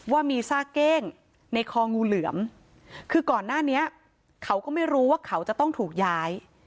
ว่ามีซากเก้งในคองูเหลือมคือก่อนหน้านี้เขาก็ไม่รู้ว่าเขาจะต้องถูกย้าย